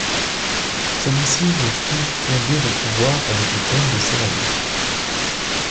Celui-ci le fit fondé de pouvoir avec le Comte de Semallé.